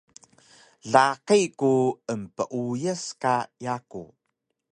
Laqi ku empuyas ka yaku